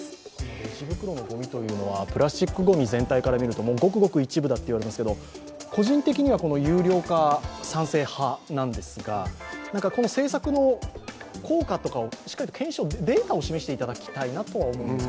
レジ袋のごみというのは、プラスチックごみ全体から見るとごくごく一部だと言われますが個人的には有料化賛成派なんですが政策の効果とかをしっかり検証、データを示していただきたいなと思うんですが。